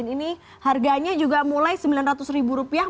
ini harganya juga mulai sembilan ratus ribu rupiah